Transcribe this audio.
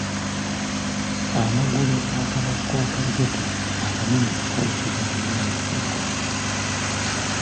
Amagulu akabaako akalegete akanene gayitibwa ag’entumbwe.